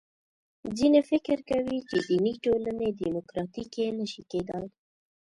ځینې فکر کوي چې دیني ټولنې دیموکراتیکې نه شي کېدای.